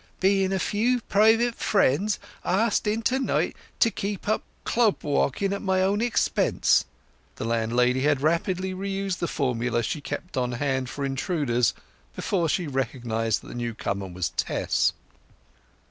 "—Being a few private friends asked in to night to keep up club walking at my own expense." The landlady had rapidly re used the formula she kept on hand for intruders before she recognized that the newcomer was Tess.